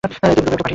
ডুবে ওকে পাঠিয়েছে।